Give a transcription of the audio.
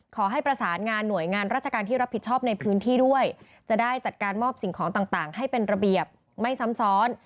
ขอให้ประสานงานหน่วยงานราชการที่รับผิดชอบในพื้นที่ด้วยจะได้จัดการมอบสิ่งของต่างให้เป็นระเบียบไม่ซ้ำซ้อน